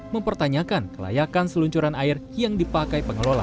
mempertanyakan kelayakan seluncuran air yang dipakai pengelola